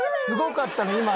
すごかったね